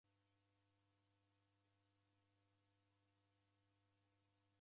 Namanya putu kokunda kuenda